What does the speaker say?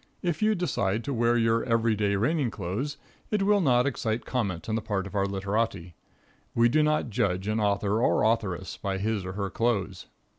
If you decide to wear your every day reigning clothes it will not excite comment on the part of our literati. We do not judge an author or authoress by his or her clothes.